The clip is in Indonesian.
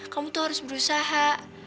kamu tuh harus berusaha